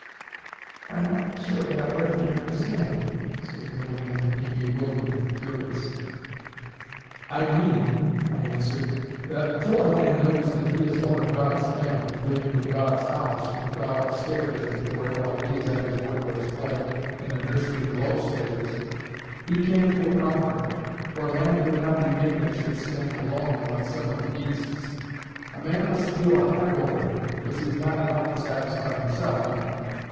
"I'm not sure that I rightly understand you," said the old man, looking bewildered and curious. "I mean," I answered, "that till a man knows that he is one of God's family, living in God's house, with God up stairs, as it were, while he is at his work or his play in a nursery below stairs, he can't feel comfortable. For a man could not be made that should stand alone, like some of the beasts. A man must feel a head over him, because he's not enough to satisfy himself, you know.